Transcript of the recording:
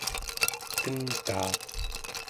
tengtaa